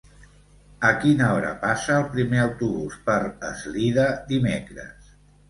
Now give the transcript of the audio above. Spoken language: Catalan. A quina hora passa el primer autobús per Eslida dimecres?